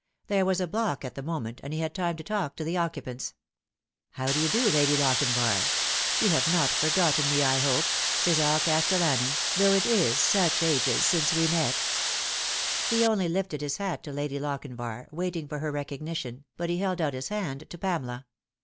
There was a block at the moment, and he had time to talk to the occupants. " How do you do, Lady Lochinvar ? You have not for gotten me, I hope Cesar Castellani though it is such ages since we met ?" He only lifted his hat to Lady Lochinvar, waiting for her recognition, but he held out his hand to Pamela.